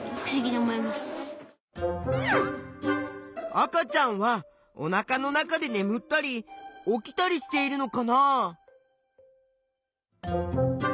赤ちゃんはおなかの中でねむったり起きたりしているのかな？